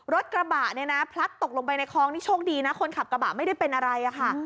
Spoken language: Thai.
รถกระบะเนี่ยนะพลัดตกลงไปในคลองนี่โชคดีนะคนขับกระบะไม่ได้เป็นอะไรอะค่ะ